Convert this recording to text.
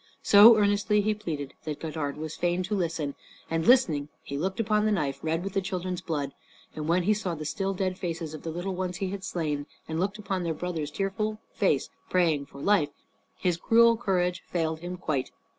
So earnestly he pleaded that Godard was fain to listen: and listening he looked upon the knife, red with the children's blood; and when he saw the still, dead faces of the little ones he had slain, and looked upon their brother's tearful face praying for life, his cruel courage failed him quite.